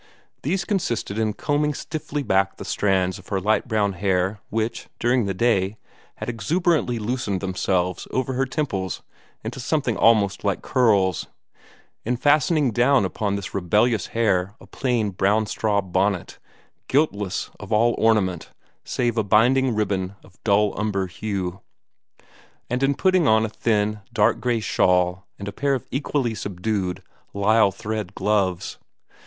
These consisted in combing stiffly back the strands of light brown hair which, during the day, had exuberantly loosened themselves over her temples into something almost like curls; in fastening down upon this rebellious hair a plain brown straw bonnet, guiltless of all ornament save a binding ribbon of dull umber hue; and in putting on a thin dark gray shawl and a pair of equally subdued lisle thread gloves.